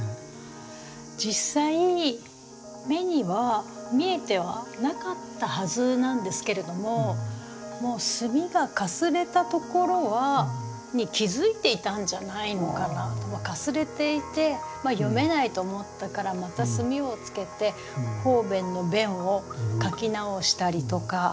実際目には見えてはなかったはずなんですけれどももう墨がかすれたところは気付いていたんじゃないのかなとかかすれていて読めないと思ったからまた墨をつけて方便の「便」を書き直したりとか。